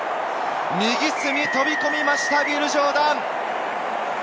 右隅に飛び込みました、ウィル・ジョーダン。